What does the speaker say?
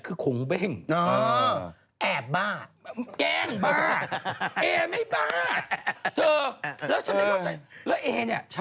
เกปก็เป็นเอ้ย